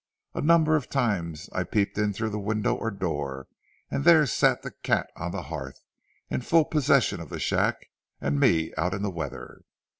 A number of times I peeped in through the window or door, and there sat the cat on the hearth, in full possession of the shack, and me out in the weather.